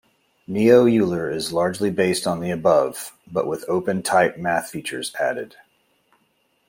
Neo Euler is largely based on the above, but with OpenType math features added.